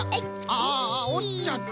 あおっちゃった。